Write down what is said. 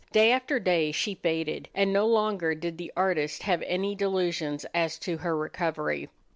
Day after day she faded, and no longer did the artist have any delusions as to her recovery.